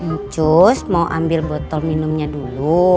ucus mau ambil botol minumnya dulu